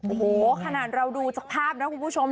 โอ้โหขนาดเราดูจากภาพนะคุณผู้ชม